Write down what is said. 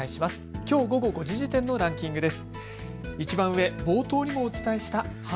きょう午後５時時点のランキングです。